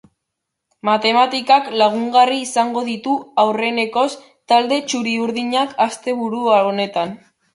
Matematikak lagungarri izango ditu aurrenekoz talde txuri-urdinak asteburu honetan.